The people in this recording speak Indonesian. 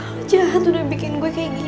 oh jahat udah bikin gue kayak gini